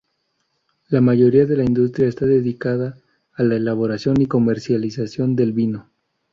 La mayoría de la industria está dedicada a la elaboración y comercialización del vino.